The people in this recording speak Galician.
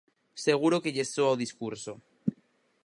Seguro que lles soa o discurso.